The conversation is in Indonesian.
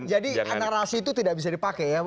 narasi itu tidak bisa dipakai ya